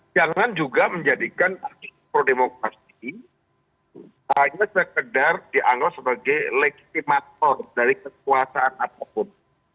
jangan juga menjadikan pro demokrasi hanya sekedar dianggap sebagai legitimator dari kekuasaan apapun